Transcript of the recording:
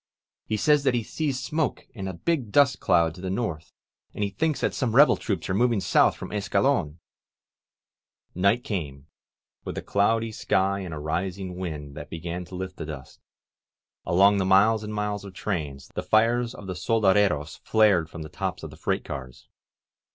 He says that he sees smoke and a big dust cloud to the north, and thinks that some rebel troops are moving south from Escalon !" Night came, with a cloudy sky and a rising wind that began to lift the dust. Along the miles and miles of trains, the fires of the soldaderas flared from the tops of the freight cars.